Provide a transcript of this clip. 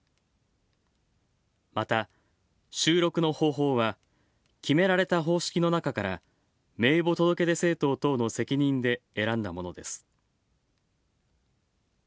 また、収録の方法は決められた方式の中から名簿届出政党等の責任で選んだものです。